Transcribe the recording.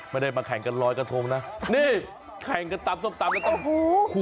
ไม่ได้มาแข่งกันรอยกระทงนะนี่แข่งกันตำสวนตำควงศากโยนศากแบบเสื้อสกรุ้ง